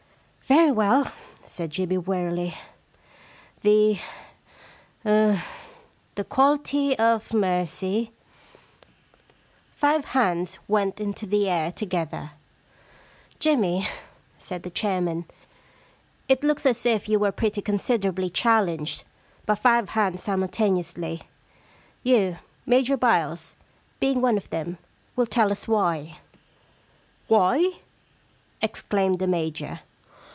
* Very well,' said Jimmy wearily. * The — er — the quality of mercy ' Five hands went into the air together. 131 The Problem Club * Jimmy,' said the chairman, * it looks as if you were pretty considerably challenged — by five simultaneously. You, Major Byles, being one of them, will tell us why.' * Why ?' exclaimed the Major.